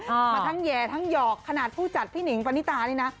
มาทั้งแหย่ทั้งหยอกขนาดผู้จัดพี่หนิงปณิตานี่นะ